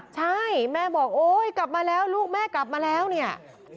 ใช่แม่บอกโอ๊ยกลับมาแล้วลูกแม่กลับมาแล้วเนี่ย